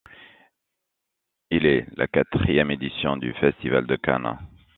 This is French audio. Il est la quatrième édition du festival de Cannes.